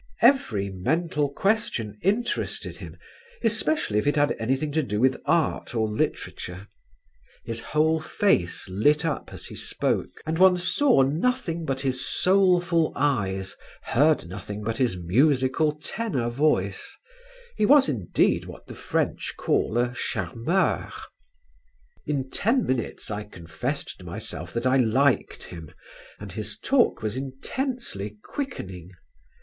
Every mental question interested him, especially if it had anything to do with art or literature. His whole face lit up as he spoke and one saw nothing but his soulful eyes, heard nothing but his musical tenor voice; he was indeed what the French call a charmeur. In ten minutes I confessed to myself that I liked him, and his talk was intensely quickening.